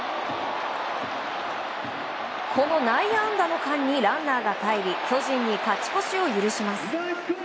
この内野安打の間にランナーがかえり巨人に勝ち越しを許します。